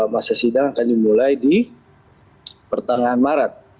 masa sidang akan dimulai di pertengahan maret